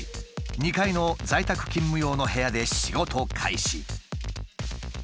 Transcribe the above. ２階の在宅勤務用の部屋で仕事開始。